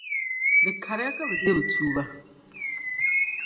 di kariya ka bɛ deei bɛ tuuba.